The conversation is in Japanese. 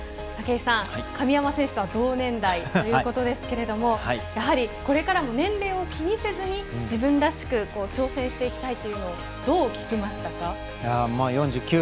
武井さん、神山選手とは同年代ということですがやはりこれからも年齢を気にせずに自分らしく挑戦していきたいという言葉をどう聞きましたか？